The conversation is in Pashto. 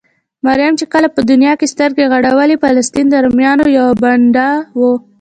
مريم چې کله په دونيا کې سترګې غړولې؛ فلسطين د روميانو يوه بانډه وه.